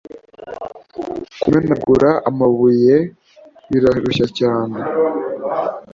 Kumenagura amabuye birarushya cyane